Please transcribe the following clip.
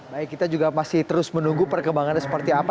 baik kita juga masih terus menunggu perkembangannya seperti apa